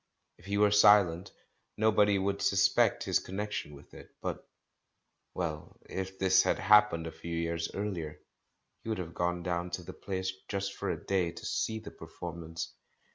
If he were silent, nobody would suspect his con nection with it. But — well, if this had happened a few years earlier, he would have gone down to the place, just for a day, to see the performance.